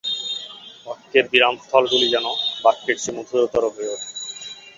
বাক্যের বিরামস্থলগুলি যেন বাক্যের চেয়ে মধুমত্তর হয়ে ওঠে।